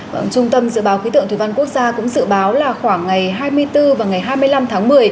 vâng trung tâm dự báo khí tượng thủy văn quốc gia cũng dự báo là khoảng ngày hai mươi bốn và ngày hai mươi năm tháng một mươi